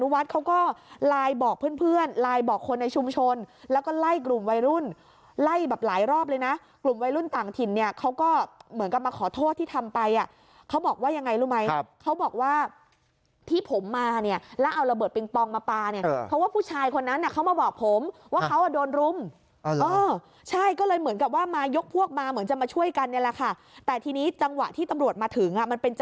วัยรุ่นไล่แบบหลายรอบเลยนะกลุ่มวัยรุ่นต่างถิ่นเนี่ยเขาก็เหมือนกับมาขอโทษที่ทำไปอ่ะเขาบอกว่ายังไงรู้ไหมครับเขาบอกว่าที่ผมมาเนี่ยแล้วเอาระเบิดปริงปองมาปาเนี่ยเออเพราะว่าผู้ชายคนนั้นน่ะเขามาบอกผมว่าเขาอะโดนรุ่มเออใช่ก็เลยเหมือนกับว่ามายกพวกมาเหมือนจะมาช่วยกันเนี่ยแหละค่ะแต่ทีนี้จังห